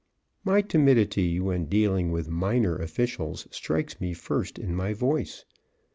My timidity when dealing with minor officials strikes me first in my voice.